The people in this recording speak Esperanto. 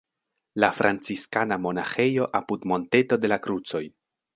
La franciskana monaĥejo apud Monteto de la Krucoj.